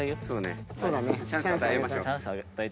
チャンスあげましょう。